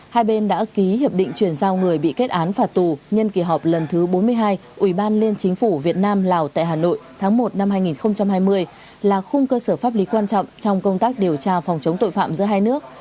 hai bên đã ký hiệp định chuyển giao người bị kết án phạt tù nhân kỳ họp lần thứ bốn mươi hai ủy ban liên chính phủ việt nam lào tại hà nội tháng một năm hai nghìn hai mươi là khung cơ sở pháp lý quan trọng trong công tác điều tra phòng chống tội phạm giữa hai nước